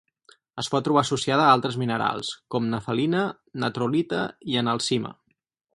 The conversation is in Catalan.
Es pot trobar associada a altres minerals, com nefelina, natrolita i analcima.